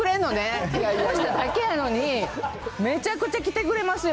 引っ越しただけやのに、めちゃくちゃ来てくれますよ。